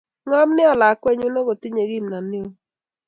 Ng'om nea lakwananyu akotinye kimnot ne oo